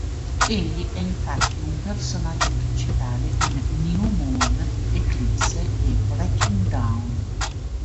Egli è infatti un personaggio principale in "New Moon", "Eclipse" e "Breaking Dawn".